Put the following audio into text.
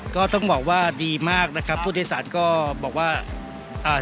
ก็ต้องบอกว่าดีมากนะครับผู้โดยสารก็บอกว่าอ่า